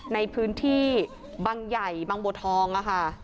ในพื้นที่บางใหญ่บางบัวทองค่ะ